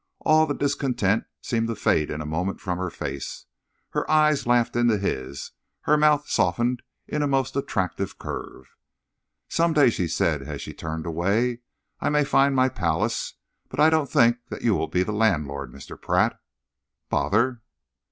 All the discontent seemed to fade in a moment from her face. Her eyes laughed into his, her mouth softened into a most attractive curve. "Some day," she said, as she turned away, "I may find my palace, but I don't think that you will be the landlord, Mr. Pratt. Bother!"